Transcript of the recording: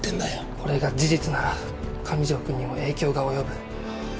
これが事実なら上條くんにも影響が及ぶ。